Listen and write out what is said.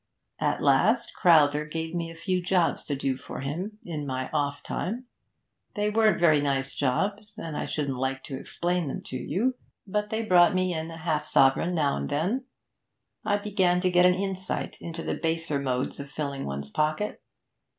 At last Crowther gave me a few jobs to do for him in my off time. They weren't very nice jobs, and I shouldn't like to explain them to you; but they brought me in half a sovereign now and then. I began to get an insight into the baser modes of filling one's pocket.